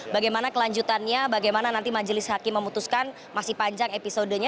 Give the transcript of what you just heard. bagaimana kelanjutannya bagaimana nanti majelis hakim memutuskan masih panjang episodenya